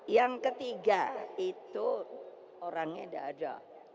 yang ketiga itu orangnya tidak ada